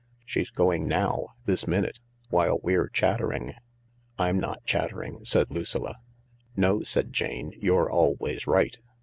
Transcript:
She's going now, this minute, while we're chattering," " I'm not chattering," said Lucilla. "No," said Jane, "you're always right.